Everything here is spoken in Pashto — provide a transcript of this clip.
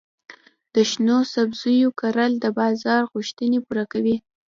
د شنو سبزیو کرل د بازار غوښتنې پوره کوي.